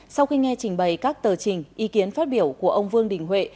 sau khi nghe trình bày các tờ trình ý kiến phát biểu của ông vương đình huệ